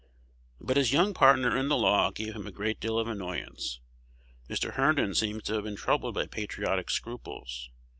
But his young partner in the law gave him a great deal of annoyance. Mr. Herndon seems to have been troubled by patriotic scruples.